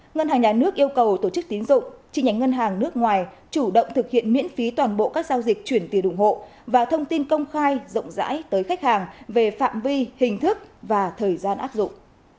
ngân hàng nhà nước yêu cầu tổ chức tín dụng chi nhánh ngân hàng nước ngoài chủ động thực hiện miễn phí toàn bộ các giao dịch chuyển tiền ủng hộ và thông tin công khai rộng rãi tới khách hàng về phạm vi hình thức và thời gian áp dụng